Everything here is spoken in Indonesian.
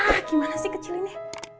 ah gimana sih kecilinnya